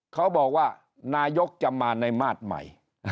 เขาบอกว่านายกจะมาในมาตรใหม่